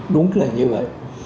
đúng là như vậy